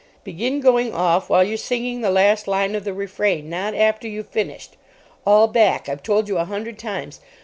Begin going off while you're singing the last line of the refrain, not after you've finished. All back. I've told you a hundred times.